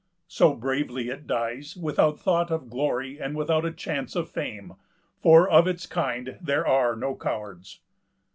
So, bravely it dies, without thought of glory and without a chance of fame; for of its kind there are no cowards."